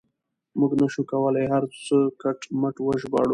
موږ نه شو کولای هر څه کټ مټ وژباړو.